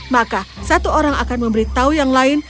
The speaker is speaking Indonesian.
maka satu orang akan memberitahu yang lain